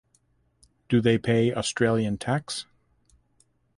Do they pay Australian tax?